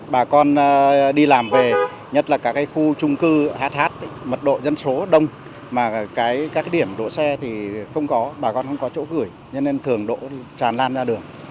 bà con đi làm về nhất là các khu trung cư hh mật độ dân số đông mà các điểm đỗ xe thì không có bà con không có chỗ gửi cho nên thường đỗ tràn lan ra đường